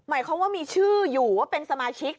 หมายความว่ามีชื่ออยู่ว่าเป็นสมาชิก